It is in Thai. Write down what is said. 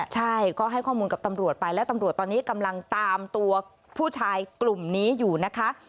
ใช่ก็ให้ข้อมูลกับตำรวจไปและตำรวจตอนนี้กำลังตามตัวผู้ชายกลุ่มนี้อยู่นะคะ